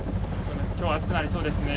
今日は暑くなりそうですね。